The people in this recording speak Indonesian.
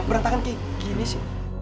berantakan kayak gini sih